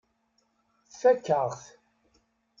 Tfakk-aɣ-t.